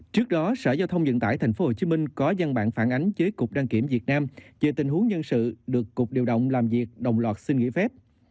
trước đó sở giao thông vận tải tp hcm có gian bản phản ánh với cục đăng kiểm việt nam về tình huống nhân sự được cục điều động làm việc đồng loạt xin nghỉ phép